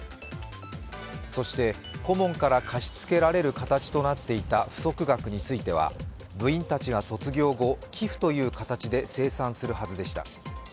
そして、顧問から貸し付けられる形となっていた不足額については部員たちが卒業後、寄付という形で清算するはずでした。